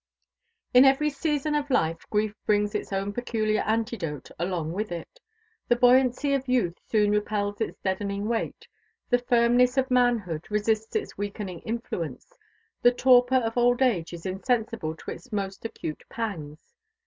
IN every season of life grief brings its own peculiar antidote along with it. The buoyancy of youth soon repels its deadening weight, the firmness of manhood resists its weakening influence, the torpor of old age is insensible to its most acute pangs.